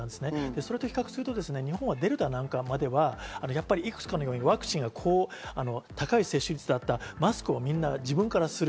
それと比較すると日本はデルタまではいくつかの要因、ワクチンが高い接種率だった、マスクをみんな自分からする。